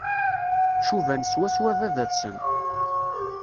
Cuban swaswa baba-tsen.